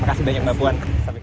makasih banyak mbak puan